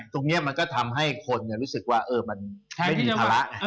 ตรงนี้มันก็ทำให้คนรู้สึกว่ามันไม่มีภาระ